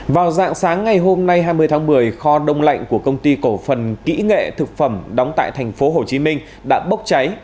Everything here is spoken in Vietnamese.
vào dạng sáng ngày hôm nay hai mươi tháng một mươi kho đông lạnh của công ty cổ phần kỹ nghệ thực phẩm đóng tại thành phố hồ chí minh đã bốc cháy